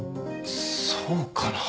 そうかな？